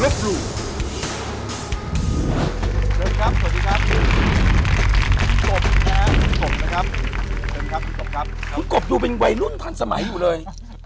คุณกบดูเป็นวัยรุ่นพันธุ์สมัยอยู่เลย